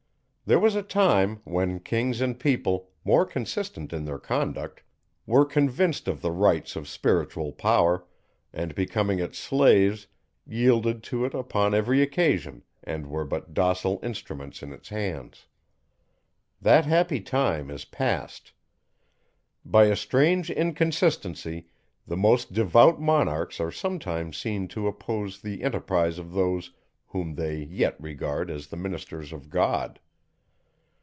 There was a time, when kings and people, more consistent in their conduct, were convinced of the rights of spiritual power, and becoming its slaves, yielded to it upon every occasion, and were but docile instruments in its hands. That happy time is passed. By a strange inconsistency the most devout monarchs are sometimes seen to oppose the enterprises of those, whom they yet regard as the ministers of God.